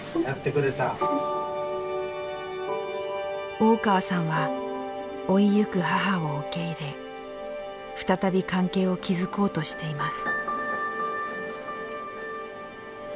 大川さんは老いゆく母を受け入れ再び関係を築こうとしています。